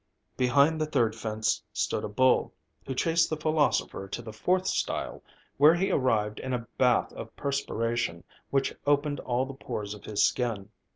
Behind the third fence stood a bull, who chased the philosopher to the fourth stile, where he arrived in a bath of perspiration, which opened all the pores of his skin.